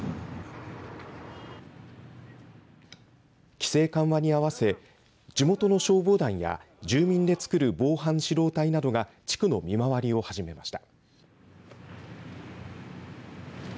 規制緩和にあわせ、地元の消防団や住民でつくる防犯指導隊などが地区の見回りを始めました。